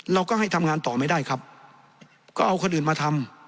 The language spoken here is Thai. เราก็ให้ทำงานต่อไม่ได้ครับก็เอาคนอื่นมาทำ